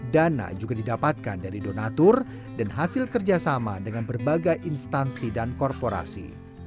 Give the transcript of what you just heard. dana juga didapatkan dari donatur dan hasil kerjasama dengan berbagai instansi dan korporasi